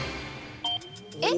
えっ？